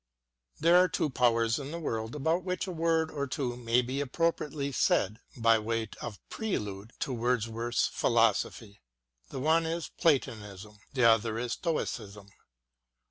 There are two powers in the world about which a word or two may be appropriately said by way of prelude to Wordsworth's philosophy : the one is Platonism, the other is Stoicism.